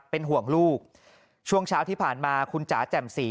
เป็นห่วงลูกช่วงเช้าที่ผ่านมาคุณจ๋าแจ่มสี